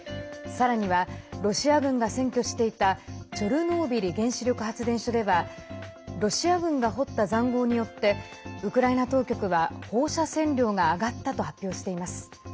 さらにはロシア軍が占拠していたチョルノービリ原子力発電所ではロシア軍が掘ったざんごうによってウクライナ当局は放射線量が上がったと発表しています。